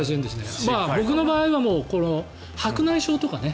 僕の場合は、白内障とかね